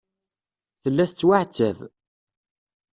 Tella tettwaɛettab.